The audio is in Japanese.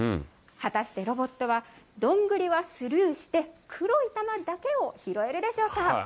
果たしてロボットは、どんぐりはスルーして、黒い玉だけを拾えるでしょうか。